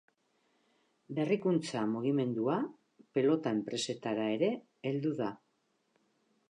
Berrikuntza mugimendua pelota enpresetara ere heldu da.